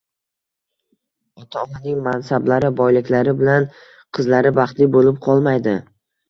Ota-onaning mansablari, boyliklari bilan qizlari baxtli bo‘lib qolmaydi.